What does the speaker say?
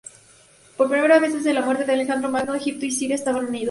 Por primera vez desde la muerte de Alejandro Magno, Egipto y Siria estaban unidos.